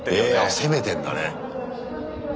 あっ攻めてんだね。